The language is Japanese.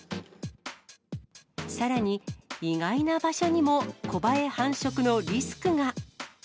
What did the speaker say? さらに、意外な場所にもコバエ繁殖のリスクが。